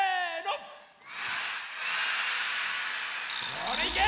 それいけ！